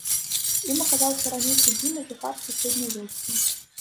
Ім аказаўся раней судзімы жыхар суседняй вёскі.